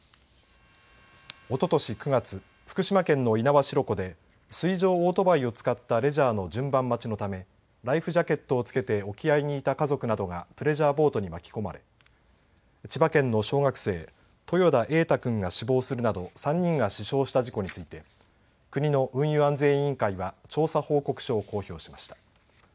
おととし９月、福島県の猪苗代湖で水上オートバイを使ったレジャーの順番待ちのためライフジャケットを着けて沖合にいた家族などがプレジャーボートに巻き込まれ、千葉県の小学生、豊田瑛大君が死亡するなど３人が死傷した事故について国の運輸安全委員会は調査報告書を公表しました。